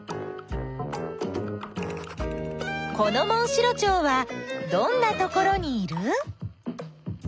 このモンシロチョウはどんなところにいる？